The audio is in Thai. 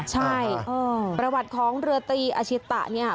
ใช่ประวัติของเรือตีอาชิตะเนี่ย